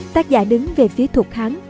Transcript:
tác giả đứng về phía thục hán